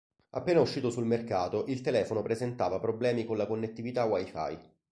Appena uscito sul mercato il telefono presentava problemi con la connettività Wi-Fi.